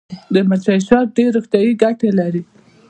د مچۍ شات ډیرې روغتیایي ګټې لري